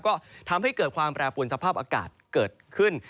ก็ทำให้เกิดความแปรปวนสภาพอากาศเกิดขึ้น